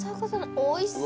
おいしそう！